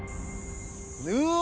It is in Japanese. うわ。